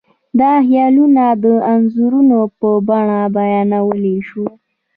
دا خیالونه د انځورونو په بڼه بیانولی شو.